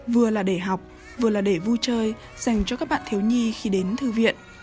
vừa là để học vừa là để vui chơi dành cho các bạn thiếu nhi khi đến thư viện